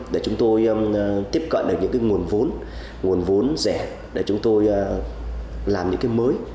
để chúng tôi tiếp cận được những cái nguồn vốn nguồn vốn rẻ để chúng tôi làm những cái mới